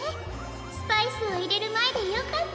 スパイスをいれるまえでよかった！